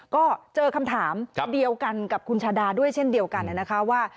ก็เจอคำถามเดียวกันกับคุณชาดาด้วยเช่นเดียวกันนะคะว่า